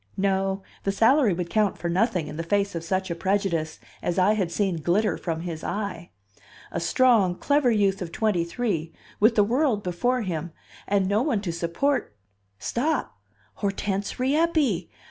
No, the salary would count for nothing in the face of such a prejudice as I had seen glitter from his eye! A strong, clever youth of twenty three, with the world before him, and no one to support stop! Hortense Rieppe!